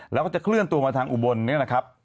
แล้วก็จะเคลื่อนตัวมาทางอุบลเนี่ยนะครับ